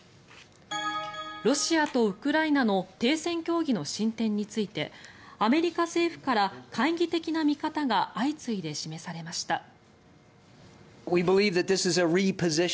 ロシアとウクライナの停戦協議の進展についてアメリカ政府から懐疑的な見方が相次いで示されました。